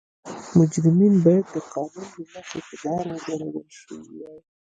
مجرمین باید د قانون له مخې په دار ځړول شوي وای.